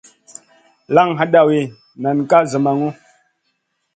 Laŋ hadawi, nan ka zamaŋu.